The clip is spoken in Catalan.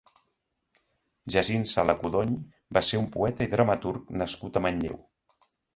Jacint Sala Codony va ser un poeta i dramaturg nascut a Manlleu.